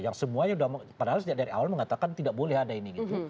yang semuanya sudah padahal sejak dari awal mengatakan tidak boleh ada ini gitu